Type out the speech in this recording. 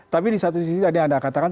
tapi di satu sisi tadi anda katakan